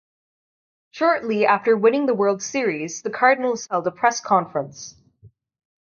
Shortly after winning the World Series the Cardinals held a press conference.